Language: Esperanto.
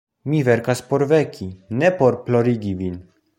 Mi verkas por veki, ne por plorigi vin.